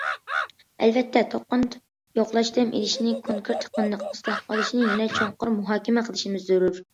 ئەلۋەتتە، تۇغقان يوقلاش دەم ئېلىشىنى كونكرېت قانداق ئىسلاھ قىلىشنى، يەنە چوڭقۇر مۇھاكىمە قىلىشىمىز زۆرۈر.